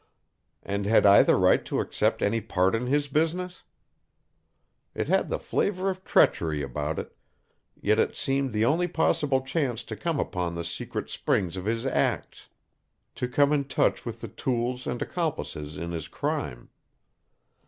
And had I the right to accept any part in his business? It had the flavor of treachery about it; yet it seemed the only possible chance to come upon the secret springs of his acts, to come in touch with the tools and accomplices in his crime.